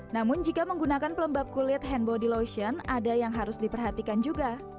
namun jika menggunakan pelembab kulit handbody lotion ada yang harus diperhatikan juga